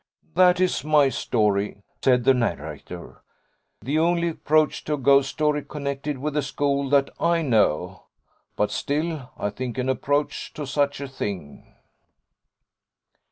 'That is my story,' said the narrator. 'The only approach to a ghost story connected with a school that I know, but still, I think, an approach to such a thing.'